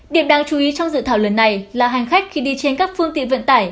điểm đáng chú ý trong dự thảo lần này là hành khách khi đi trên các phương tiện vận tải